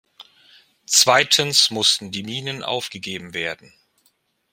Zweitens mussten die Minen aufgegeben werden.